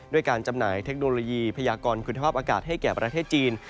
การจำหน่ายเทคโนโลยีพยากรคุณภาพอากาศให้แก่ประเทศจีน